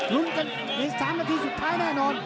ลุ้นกันใน๓นาทีสุดท้ายแน่นอน